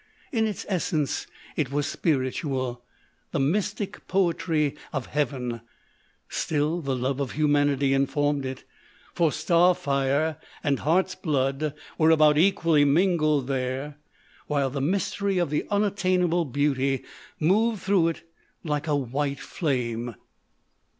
In its essence it was spiritual â the mystic poetry of heaven; still, the love of humanity informed it, for star fire and heart's blood were about equally mingled there, while the mystery of unattainable beauty moved through it like a white flame.